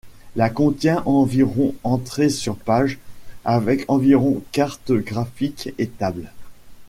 La contient environ entrées sur pages, avec environ cartes, graphiques et tables.